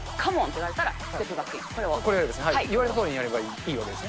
言われたとおりにやればいいわけですね。